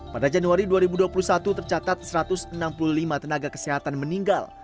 pada januari dua ribu dua puluh satu tercatat satu ratus enam puluh lima tenaga kesehatan meninggal